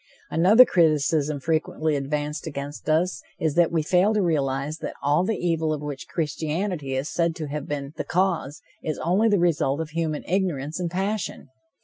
Another criticism frequently advanced against us is that we fail to realize that all the evil of which Christianity is said to have been the cause, is only the result of human ignorance and passion.